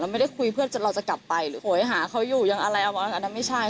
เราไม่ได้คุยเพื่อเราจะกลับไปหาเขาอยู่อย่างอะไรอ่ะไม่ใช่